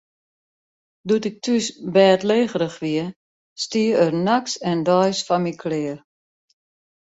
Doe't ik thús bêdlegerich wie, stie er nachts en deis foar my klear.